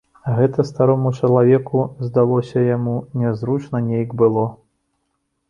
А гэта старому чалавеку, здалося яму, нязручна нейк было.